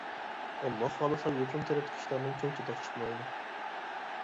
ئاللا خالىسا يۇرتۇم تەرەپتىكى ئىشلاردىن چوڭ چاتاق چىقمايدۇ.